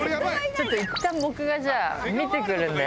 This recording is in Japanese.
ちょっといったん僕がじゃあ見て来るんで。